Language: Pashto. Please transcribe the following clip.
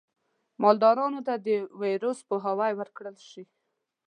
مالدارانو ته د ویروس پوهاوی ورکړل شي.